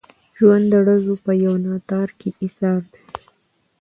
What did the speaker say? ژوند د ډزو په یو ناتار کې ایسار دی.